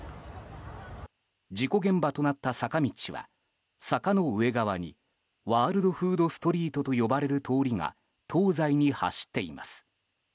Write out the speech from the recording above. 事故現場となった坂道は坂の上側にワールドフードストリートと呼ばれる通りが東西に走っています。